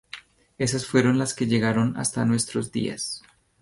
Esas fueron las que llegaron hasta nuestros días.